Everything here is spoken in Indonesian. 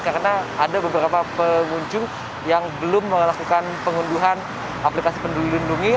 karena ada beberapa pengunjung yang belum melakukan pengunduhan aplikasi peduli lindungi